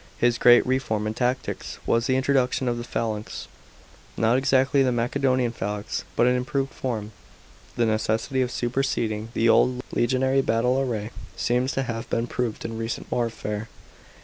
His great reform in tactics was the introduction of the phalanx, not exactly the Macedonian phalanx, but an improved form. The necessity of superseding the old legionary battle array seems to have 498 THE PKINCIPATE OF HADRIAN. CHAP, xxvi been proved in recent warfare.